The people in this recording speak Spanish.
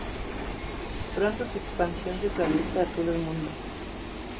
Pronto su expansión se traduce a todo el país.